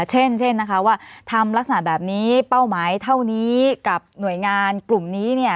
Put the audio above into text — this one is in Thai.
เช่นนะคะว่าทำลักษณะแบบนี้เป้าหมายเท่านี้กับหน่วยงานกลุ่มนี้เนี่ย